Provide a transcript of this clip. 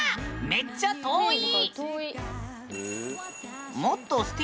めっちゃ遠い。